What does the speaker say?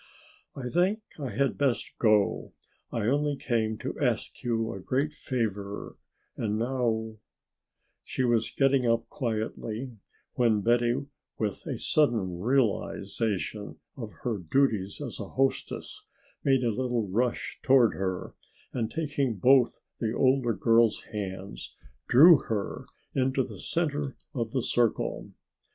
"I think I had best go; I only came to ask you a great favor and now " She was getting up quietly, when Betty with a sudden realization of her duties as a hostess made a little rush toward her and taking both the older girl's hands drew her into the center of their circle.